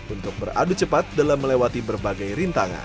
untuk beradu cepat dalam melewati berbagai rintangan